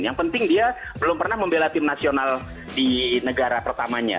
yang penting dia belum pernah membela tim nasional di negara pertamanya